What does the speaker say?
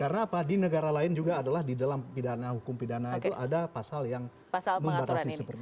karena apa di negara lain juga adalah di dalam pidana hukum pidana itu ada pasal yang membatasi seperti ini